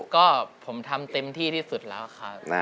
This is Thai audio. ก็ผมทำเต็มที่ที่สุดแล้วครับ